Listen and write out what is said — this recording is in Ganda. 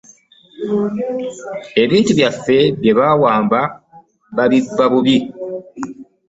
Ebintu byaffe bye bawamba babibba bubbi.